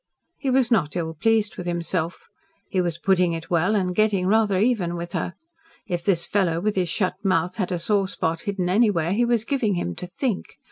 He was not ill pleased with himself. He was putting it well and getting rather even with her. If this fellow with his shut mouth had a sore spot hidden anywhere he was giving him "to think."